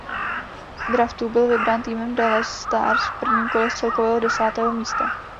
V draftu byl vybrán týmem Dallas Stars v prvním kole z celkového desátého místa.